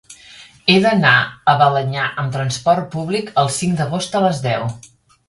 He d'anar a Balenyà amb trasport públic el cinc d'agost a les deu.